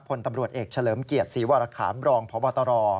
พลตำรวจเอกเฉลิมเกียรติศรีวรคามรองพบตร